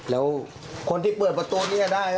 แล้วคนที่เปิดประตูนี้ได้